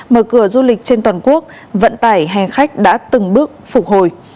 mở cửa du lịch trên toàn quốc vận tải hành khách đã từng bước phục hồi